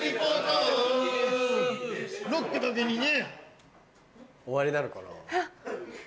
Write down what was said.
ロックだけにね。